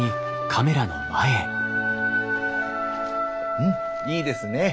うんいいですね。